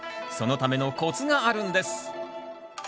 そのためのコツがあるんです。